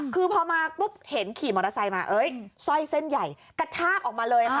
คือพอมาปุ๊บเห็นขี่มอเตอร์ไซค์มาสร้อยเส้นใหญ่กระชากออกมาเลยค่ะ